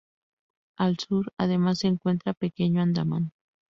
Al sur, además, se encuentra Pequeño Andamán.